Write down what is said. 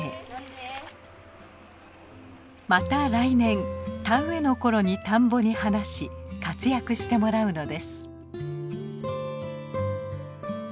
また来年田植えの頃に田んぼに放し活躍してもらうのです。